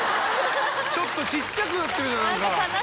ちょっとちっちゃくなってるじゃん何か。